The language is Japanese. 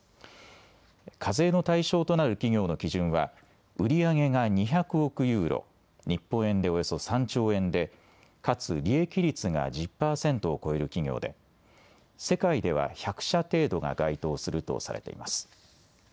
課税の対象となる企業の基準は売り上げが２００億ユーロ、日本円でおよそ３兆円でかつ利益率が１０％を超える企業で世界では１００社程度が該当するとされています。